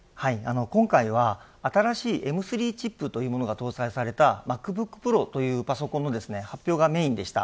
今回は新しいＭ３チップというものが搭載されたＭａｃＢｏｏｋＰｒｏというパソコンの発表がメーンでした。